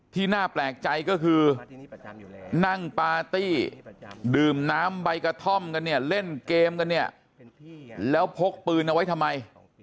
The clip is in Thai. ที่น่าแปลกใจก็คือนั่งปาร์ตี้ดื่มน้ำใบกระท่อมกันเนี่ยเล่นเกมกันเนี่ยแล้วพกปืนเอาไว้ทำไม